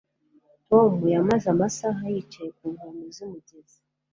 Tom yamaze amasaha yicaye ku nkombe zumugezi